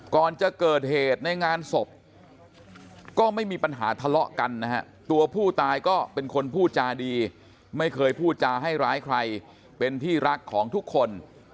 ก่อนจะเกิดเหตุในงานศพก็ไม่มีปัญหาทะเลาะกันนะฮะตัวผู้ตายก็เป็นคนพูดจาดีไม่เคยพูดจาให้ร้ายใครเป็นที่รักของทุกคน